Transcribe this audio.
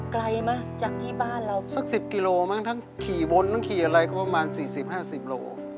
ไกลมั้ยจากที่บ้านเราสักสิบกิโลมั้งทั้งขี่บนทั้งขี่อะไรก็ประมาณสี่สิบห้าสิบโล